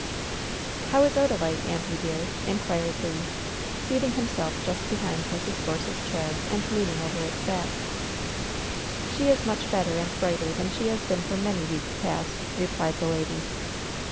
"How is Odalite, auntie, dear?" inquired Le, seating himself just behind Mrs. Force's chair, and leaning over its back. "She is much better and brighter than she has been for many weeks past," replied the lady.